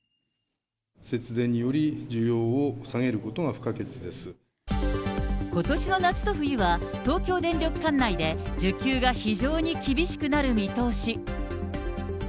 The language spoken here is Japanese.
節電により、ことしの夏と冬は、東京電力管内で需給が非常に厳しくなる見通し。